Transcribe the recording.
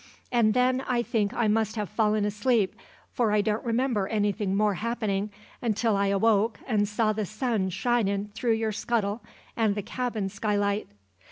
And then I think I must have fallen asleep, for I don't remember anything more happenin' until I awoke and saw the sun shinin' through your scuttle and the cabin skylight.